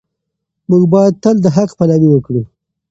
موږ باید تل د حق پلوي وکړو.